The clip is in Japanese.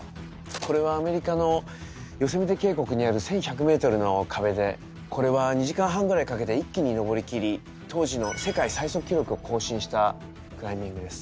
これはアメリカのヨセミテ渓谷にある１，１００メートルの壁でこれは２時間半ぐらいかけて一気に登りきり当時の世界最速記録を更新したクライミングです。